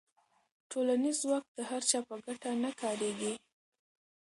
ټولنیز ځواک د هر چا په ګټه نه کارېږي.